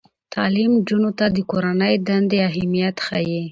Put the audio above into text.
تعلیم نجونو ته د کورنۍ دندې اهمیت ښيي.